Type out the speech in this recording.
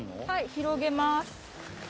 はい広げまーす。